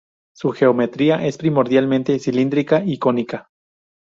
Su geometría es primordialmente cilíndrica y cónica.